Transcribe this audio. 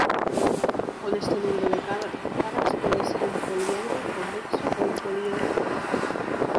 Con este número de caras puede ser un poliedro convexo o un poliedro cóncavo.